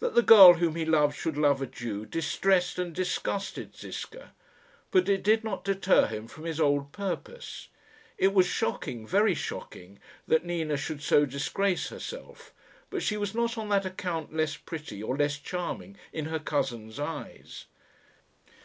That the girl whom he loved should love a Jew distressed and disgusted Ziska; but it did not deter him from his old purpose. It was shocking, very shocking, that Nina should so disgrace herself; but she was not on that account less pretty or less charming in her cousin's eyes.